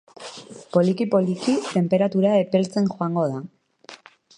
Poliki-poliki, tenperatura epeltzen joango da.